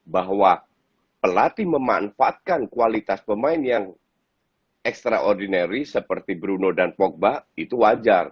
bahwa pelatih memanfaatkan kualitas pemain yang extraordinary seperti bruno dan pogba itu wajar